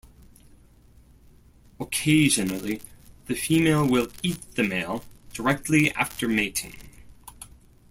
Occasionally, the female will eat the male directly after mating.